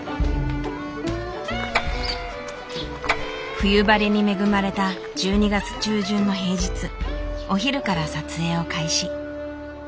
冬晴れに恵まれた１２月中旬の平日お昼から撮影を開始。